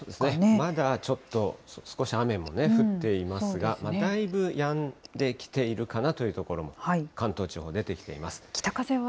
まだちょっと少し雨も降っていますが、だいぶやんできているかなという所も、関東地方、出てきています。